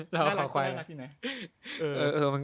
น่ารักที่ไหน